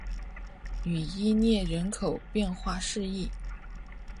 吕伊涅人口变化图示